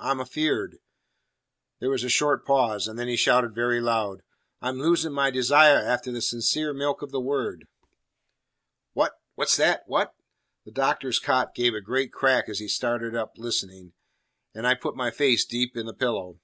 "I'm afeard." There was a short pause, and then he shouted very loud, "I'm losin' my desire afteh the sincere milk of the Word!" "What? What's that? What?" The Doctor's cot gave a great crack as he started up listening, and I put my face deep in the pillow.